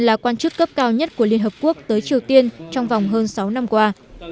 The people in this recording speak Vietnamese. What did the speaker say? là quan chức cấp cao nhất của liên hợp quốc tới triều tiên trong vòng hơn sáu năm qua